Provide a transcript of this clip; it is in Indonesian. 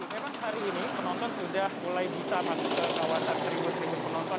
memang hari ini penonton sudah mulai bisa masuk ke kawasan tribun seribu penonton